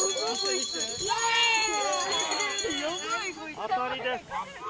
当たりです！